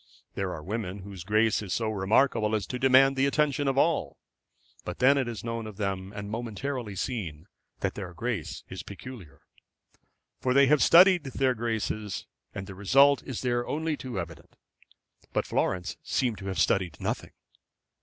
There are women whose grace is so remarkable as to demand the attention of all. But then it is known of them, and momentarily seen, that their grace is peculiar. They have studied their graces, and the result is there only too evident. But Florence seemed to have studied nothing.